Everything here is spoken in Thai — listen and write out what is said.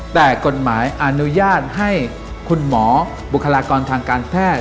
แต่กฎหมายอนุญาตให้คุณหมอบุคลากรทางการแพทย์